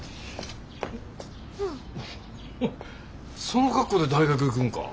その格好で大学行くんか？